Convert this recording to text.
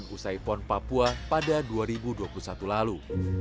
usai pon papua pada dua ribu dua puluh satu lalu